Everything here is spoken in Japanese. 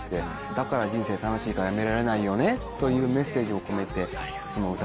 だから人生楽しいからやめられないよねというメッセージも込めていつも歌っておりますね。